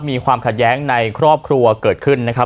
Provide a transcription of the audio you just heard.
มีความขัดแย้งในครอบครัวเกิดขึ้นนะครับ